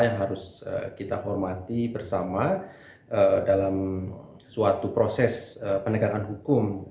yang harus kita hormati bersama dalam suatu proses penegakan hukum